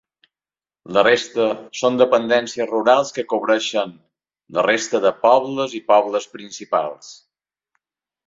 La resta són dependències rurals que cobreixen la resta de pobles i pobles principals.